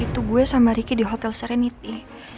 bantu gue sama ricky di hotel serenity